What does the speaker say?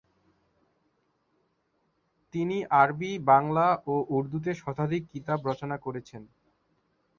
তিনি আরবি, বাংলা ও উর্দুতে শতাধিক কিতাব রচনা করেছেন।